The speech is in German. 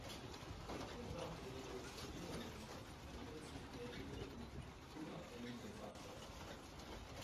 Eine Unabhängige Studierendenschaft gliedert sich in der Regel in "unabhängige Fachschaften".